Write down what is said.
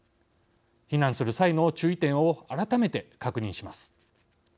避難する際の注意点を改めて確認します。